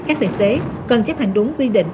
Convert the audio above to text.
các tài xế cần chấp hành đúng quy định